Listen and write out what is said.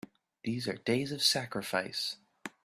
These are days of sacrifice!